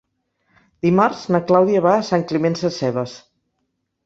Dimarts na Clàudia va a Sant Climent Sescebes.